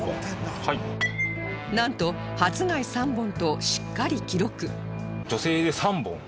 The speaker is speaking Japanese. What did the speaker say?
なんと「初谷３本」としっかり記録